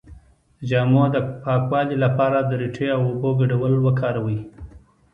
د جامو د پاکوالي لپاره د ریټې او اوبو ګډول وکاروئ